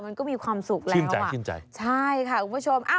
มันก็มีความสุขแล้วอะใช่ค่ะคุณผู้ชมชื่นใจชื่นใจ